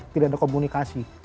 tidak ada komunikasi